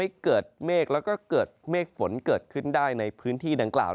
ที่เกิดเมฆและเมคฝนเกิดขึ้นได้ในพื้นที่ดังกล่าว